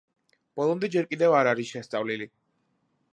ბოლომდე ჯერ კიდევ არ არის შესწავლილი.